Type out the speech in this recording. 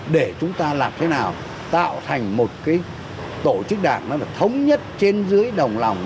để chúng ta làm thế nào tạo thành một tổ chức đảng thống nhất trên dưới đồng lòng